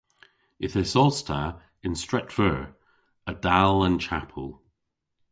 Yth esos ta yn Stret Veur a-dal an chapel.